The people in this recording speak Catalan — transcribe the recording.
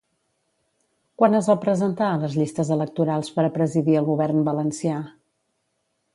Quan es va presentar a les llistes electorals per a presidir el govern valencià?